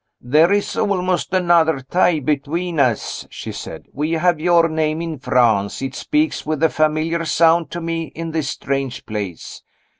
"There is almost another tie between us," she said. "We have your name in France it speaks with a familiar sound to me in this strange place.